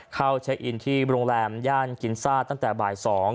เข้าเช็คอินที่โรงแรมย่านกินซ่าตั้งแต่บ่าย๒